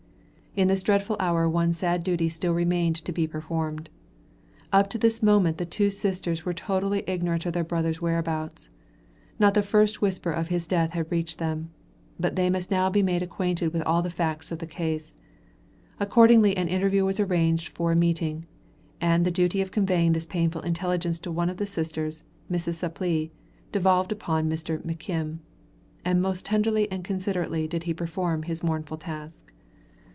In this dreadful hour one sad duty still remained to be performed. Up to this moment the two sisters were totally ignorant of their brother's whereabouts. Not the first whisper of his death had reached them. But they must now be made acquainted with all the facts in the case. Accordingly an interview was arranged for a meeting, and the duty of conveying this painful intelligence to one of the sisters, Mrs. Supplee, devolved upon Mr. McKim. And most tenderly and considerately did he perform his mournful task.